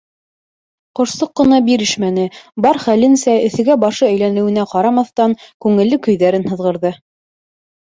Ҡошсоҡ ҡына бирешмәне, бар хәленсә, эҫегә башы әйләнеүенә ҡарамаҫтан, күңелле көйҙәрен һыҙғырҙы.